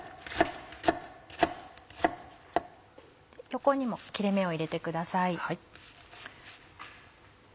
横にも切れ目を入れてください。